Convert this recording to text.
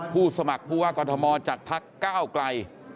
ผู้สมัครผู้ว่ากฎมอลจากทัก๙กลาย